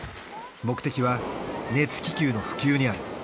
目的は熱気球の普及にある。